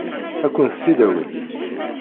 Ad kent-tt-id-awint?